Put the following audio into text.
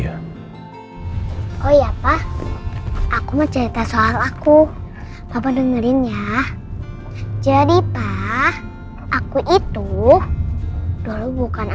apa mau denger